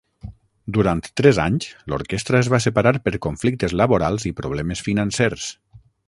Durant tres anys, l'orquestra es va separar per conflictes laborals i problemes financers.